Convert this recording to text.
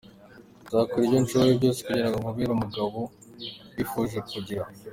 Nzakora ibyo nshoboye byose kugira ngo nkubere umugabo wifuje kugira !